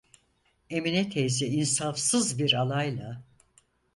Emine teyze insafsız bir alayla: